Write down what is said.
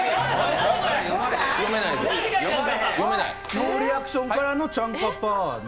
ノーリアクションからのチャンカパーナ。